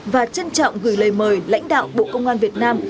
và trân trọng gửi lời mời lãnh đạo bộ công an việt nam